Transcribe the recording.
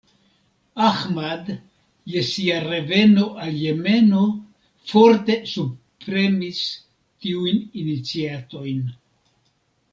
Ahmad je sia reveno al Jemeno forte subpremis tiujn iniciatojn.